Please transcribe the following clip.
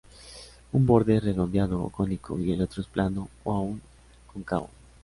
Un borde es redondeado o cónico y el otro es plano o aún cóncavo.